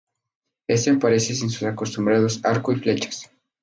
Este aparece sin sus acostumbrados arco y flechas.